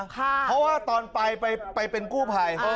เพราะว่าตอนไปไปเป็นกู้ภัย